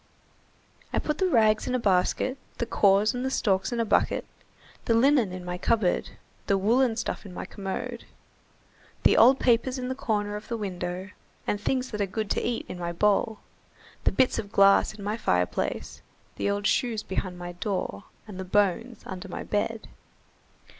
I put the rags in a basket, the cores and stalks in a bucket, the linen in my cupboard, the woollen stuff in my commode, the old papers in the corner of the window, the things that are good to eat in my bowl, the bits of glass in my fireplace, the old shoes behind my door, and the bones under my bed."